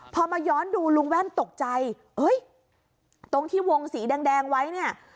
พอมาย้อนดูลุงแว่นตกใจเฮ้ยตรงที่วงสีแดงไว้เนี่ย